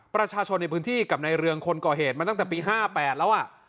ประชาชนในพื้นที่กับในเรืองคนก่อเหตุมาตั้งแต่ปี๕๘แล้ว